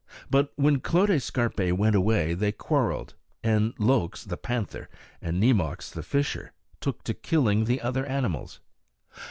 But when Clote Scarpe went away they quarreled, and Lhoks the panther and Nemox the fisher took to killing the other animals.